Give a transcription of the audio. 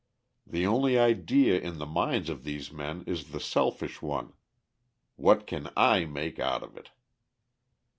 The only idea in the minds of these men is the selfish one: "What can I make out of it?"